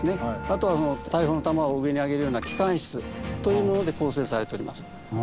あとは大砲の弾を上にあげるような機関室というもので構成されております。